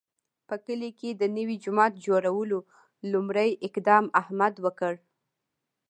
په کلي کې د نوي جومات جوړولو لومړی اقدام احمد وکړ.